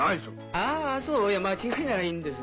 あそういや間違いならいいんです。